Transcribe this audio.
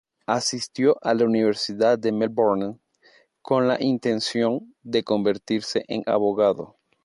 Asistió a la Universidad de Melbourne, con la intención de convertirse en abogado.